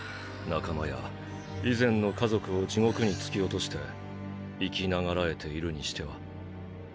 仲間や「以前」の家族を地獄に突き落として生き永らえているにしては。